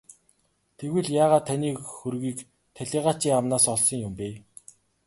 Тэгвэл яагаад таны хөрөгийг талийгаачийн амнаас олсон юм бэ?